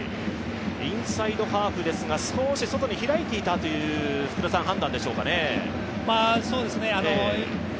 インサイドハーフですが少し外に開いていたという判断ですかね。